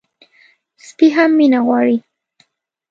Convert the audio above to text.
سپي هم مینه غواړي.